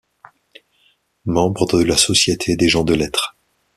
Membre de la Société des Gens de lettres.